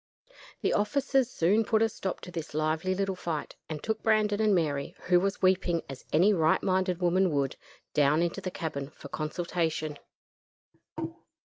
The officers soon put a stop to this lively little fight, and took Brandon and Mary, who was weeping as any right minded woman would, down into the cabin for consultation.